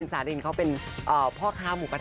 สารินเขาเป็นพ่อค้าหมูกระท